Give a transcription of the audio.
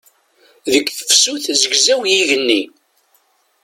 Deg tefsut zegzaw yigenni.